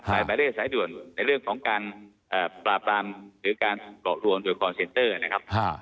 หมายเลขสายด่วนในเรื่องของการปราบรามหรือการเกาะลวงโดยคอนเซนเตอร์นะครับ